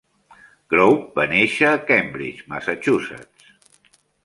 Grove va néixer a Cambridge, Massachusetts.